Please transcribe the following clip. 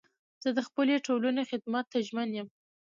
زه د خپلي ټولني خدمت ته ژمن یم.